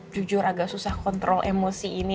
jujur agak susah kontrol emosi ini